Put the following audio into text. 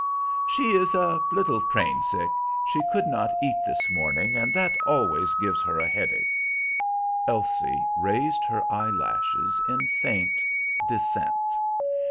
"She is a little train sick; she could not eat this morning, and that always gives her a headache." Elsie raised her eyelashes in faint dissent.